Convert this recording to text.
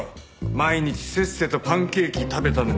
毎日せっせとパンケーキ食べたのに空振りだった。